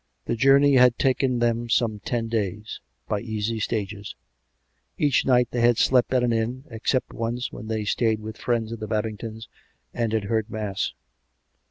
The journey had taken them some ten days, by easy stages; each night they had slept at an inn, except once, when they stayed with friends of the Babingtons and had heard mass.